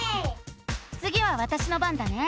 つぎはわたしの番だね。